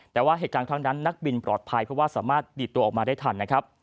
แต่ว่าเหตุการณ์ครั้งนั้นนักบินปลอดภัยเพราะว่าสามารถดีดตัวออกมาได้ทันนะครับ